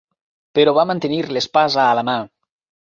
Però va mantenir l'espasa a la mà.